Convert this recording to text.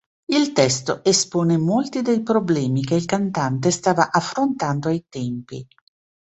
Il testo espone molti dei problemi che il cantante stava affrontando ai tempi.